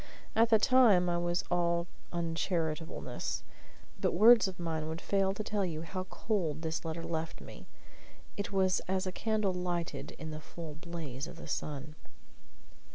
At the time I was all uncharitableness; but words of mine would fail to tell you how cold this letter left me; it was as a candle lighted in the full blaze of the sun.